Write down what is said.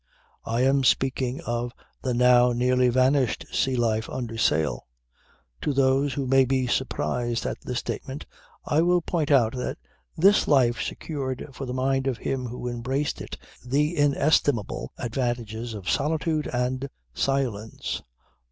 I am speaking of the now nearly vanished sea life under sail. To those who may be surprised at the statement I will point out that this life secured for the mind of him who embraced it the inestimable advantages of solitude and silence.